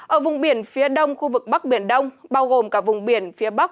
ở vùng biển phía đông khu vực bắc biển đông bao gồm cả vùng biển phía bắc